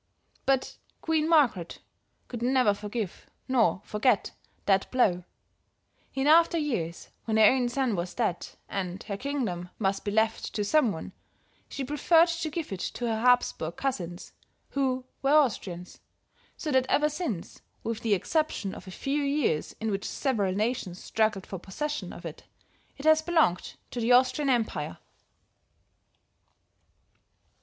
But Queen Margaret could never forgive nor forget that blow; in after years, when her own son was dead, and her kingdom must be left to some one, she preferred to give it to her Habsburg cousins, who were Austrians, so that ever since, with the exception of a few years in which several nations struggled for possession of it, it has belonged to the Austrian Empire.